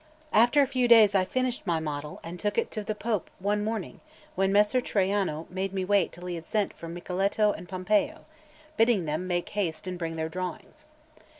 After a few days I finished my model, and took it to the Pope one morning, when Messer Traiano made me wait till he had sent for Micheletto and Pompeo, bidding them make haste and bring their drawings.